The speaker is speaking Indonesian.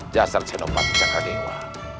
jasad senopati sakar dewa